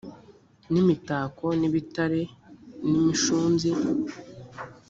n imitako n ibitare n imishunzi